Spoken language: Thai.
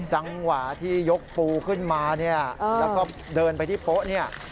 จังหวะที่ยกปูขึ้นมาเนี่ยแล้วก็เดินไปที่โป๊ะเนี่ย